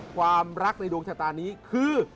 ความรักในดวงชะตานี้คือกวามรับ